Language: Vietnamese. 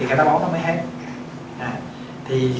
thì táo bón mới hết